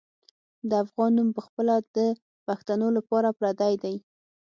د افغان نوم پخپله د پښتنو لپاره پردی دی.